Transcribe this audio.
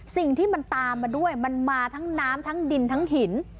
สิ่งที่มันตามมาด้วยมันมาทั้งน้ำทั้งดินทั้งหิน